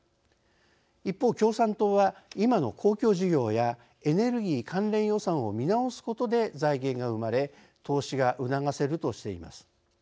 一方、共産党は「今の公共事業やエネルギー関連予算を見直すことで財源が生まれ、投資が促せる」としています。